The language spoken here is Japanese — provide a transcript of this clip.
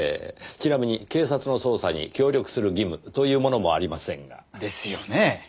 ちなみに警察の捜査に協力する義務というものもありませんが。ですよね？